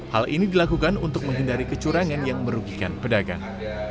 hal ini dilakukan untuk menghindari kecurangan yang merugikan pedagang